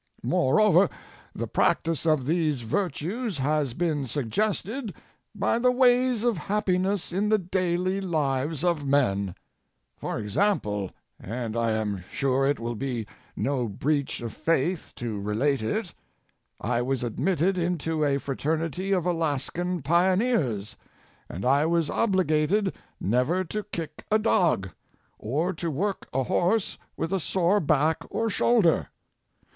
Moreover, the practice of these virtues has been suggested by the ways of happiness in the daily lives of men. For example ŌĆö and I am sure it will be no breach of faith to relate it ŌĆö I was admitted into a fra ternity of Alaskan Pioneers and I was obligated never to kick a dog, or to work a horse with a sore back or shoulder.